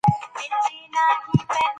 ټولنپوهنه انساني ټولنه تر مطالعې لاندي نيسي.